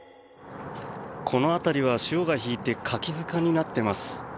この辺りは潮が引いてカキ塚になっています。